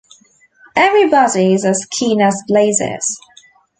Everybody's as keen as blazes.